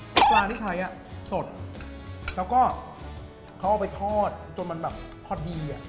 คือปลาที่ใช้สดแล้วก็เขาเอาไปทอดจนมันแบบพอดี